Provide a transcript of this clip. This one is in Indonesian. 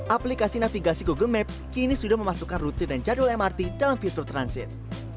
aplikasi navigasi google maps kini sudah memasukkan rute dan jadwal mrt dalam fitur transit